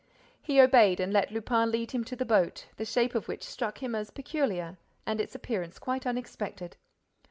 He obeyed and let Lupin lead him to the boat, the shape of which struck him as peculiar and its appearance quite unexpected.